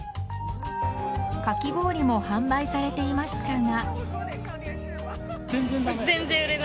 かき氷も販売されていましたが。